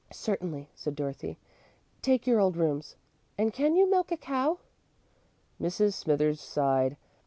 "Certainly," said Dorothy, "take your old rooms. And can you milk a cow?" Mrs. Smithers sighed.